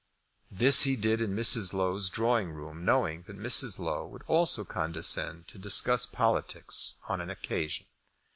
This he did in Mrs. Low's drawing room, knowing that Mrs. Low would also condescend to discuss politics on an occasion.